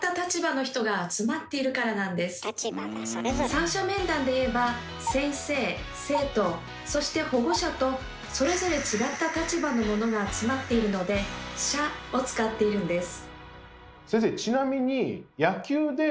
三者面談で言えば先生生徒そして保護者とそれぞれ違った立場の者が集まっているので「者」を使っているんです。